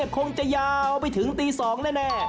คงจะยาวไปถึงตี๒แน่